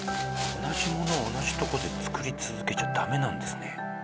同じものを同じとこで作り続けちゃダメなんですね。